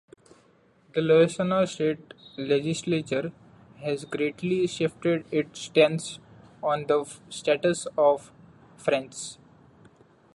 The Louisiana state legislature has greatly shifted its stance on the status of French.